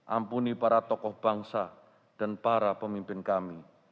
ampuni para tokoh bangsa dan para pemimpin kami